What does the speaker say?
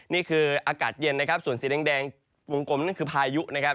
นี่คืออากาศเย็นนะครับส่วนสีแดงวงกลมนั่นคือพายุนะครับ